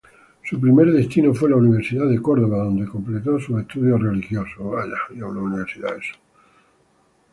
Su primer destino fue la Universidad de Córdoba donde completó sus estudios religiosos.